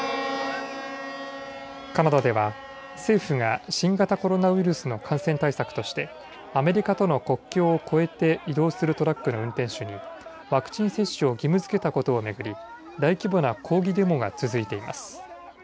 カナダでは、政府が新型コロナウイルスの感染対策として、アメリカとの国境を越えて移動するトラックの運転手に、ワクチン接種を義務づけたことを巡り、大規模な抗議デモが続いています。